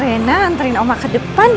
rena anterin uma ke depan ya